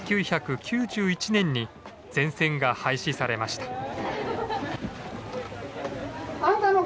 １９９１年に全線が廃止されました。